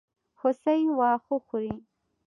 هوسۍ واښه خوري.